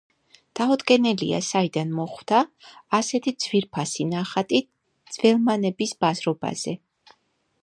დაუდგენელია, საიდან მოხვდა ასეთი ძვირფასი ნახატი ძველმანების ბაზრობაზე.